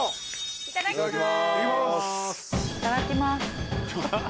いただきます。